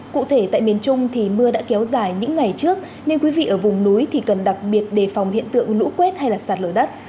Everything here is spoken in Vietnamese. cụ thể tại miền trung thì mưa đã kéo dài những ngày trước nên quý vị ở vùng núi thì cần đặc biệt đề phòng hiện tượng lũ quét hay sạt lở đất